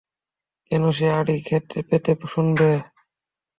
কেন সে আঁড়ি পেতে শুনবে?